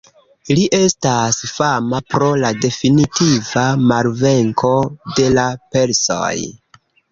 Li estas fama pro la definitiva malvenko de la persoj.